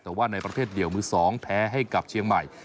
แต่ว่าในประเภทเดียวมือ๒แพ้ให้กับเชียงใหม่